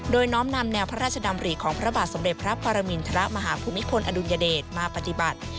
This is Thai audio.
โดยน้อมนำแนวพระราชดำริของพระบาทสมเด็จพระปรมินทรมาฮภูมิพลอดุลยเดชมาปฏิบัติ